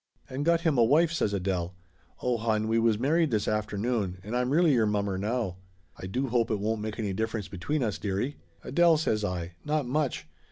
"And got him a wife !" says Adele. "Oh, hon, we was married this afternoon, and I'm really your mom mer now. I do hope it won't make any difference be tween us, dearie ?" "Adele !" says I. "Not much